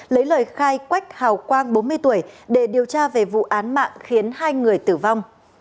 lấy lời khai quách hào quang bốn mươi tuổi để điều tra về vụ án mạng khiến hai người tử vong